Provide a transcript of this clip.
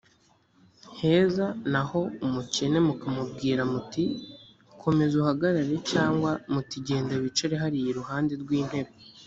heza naho umukene mukamubwira muti komeza uhagarare cyangwa muti genda wicare hariya iruhande rw intebe